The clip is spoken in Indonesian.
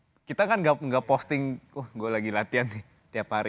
maksudnya kan gak posting oh gue lagi latihan nih tiap hari